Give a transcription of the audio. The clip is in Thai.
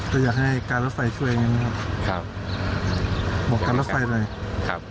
ก็อยากให้การรถใส่ช่วยอย่างงั้นนะครับครับบอกการรถใส่ด้วยครับ